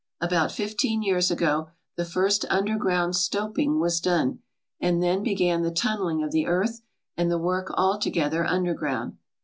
About fifteen years ago the first under ground stoping was done, and then began the tunnelling of the earth and the work altogether underground.